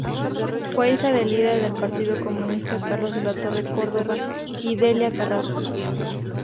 Fue hija del líder del Partido Comunista Carlos La Torre Córdova y Delia Carrasco.